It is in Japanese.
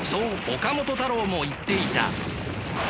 岡本太郎も言っていた。